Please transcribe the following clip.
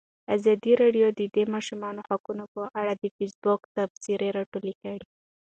ازادي راډیو د د ماشومانو حقونه په اړه د فیسبوک تبصرې راټولې کړي.